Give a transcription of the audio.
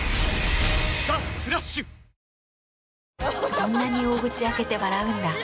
そんなに大口開けて笑うんだ。